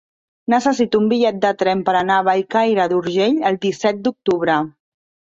Necessito un bitllet de tren per anar a Bellcaire d'Urgell el disset d'octubre.